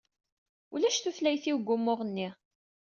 Ulac tutlayt-iw deg umuɣ-nni!